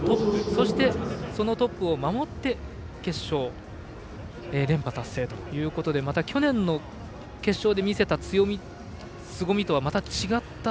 そしてそのトップを守って決勝、連覇達成ということでまた去年の決勝で見せた強みすごみとはまた違った。